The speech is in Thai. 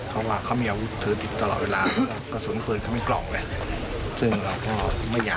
เพราะว่ามีอาวุธเจนคระโศนเปิดเครื่องชอบมะบหน้า